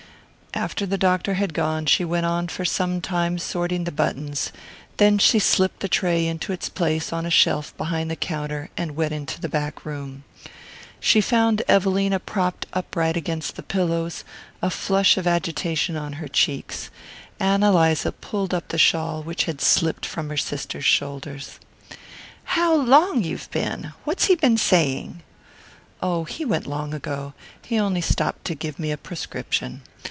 After the doctor had gone she went on for some time sorting the buttons; then she slipped the tray into its place on a shelf behind the counter and went into the back room. She found Evelina propped upright against the pillows, a flush of agitation on her cheeks. Ann Eliza pulled up the shawl which had slipped from her sister's shoulders. "How long you've been! What's he been saying?" "Oh, he went long ago he on'y stopped to give me a prescription.